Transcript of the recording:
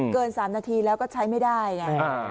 เกิน๓นาทีแล้วก็ใช้ไม่ได้ไง